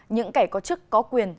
những kẻ có chức có quyền